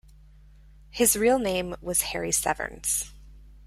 His real name was Harry Severns.